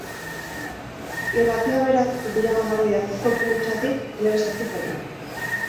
Irratia beraz, hurbilago dago idatzizko prentsatik, telebistatik baino.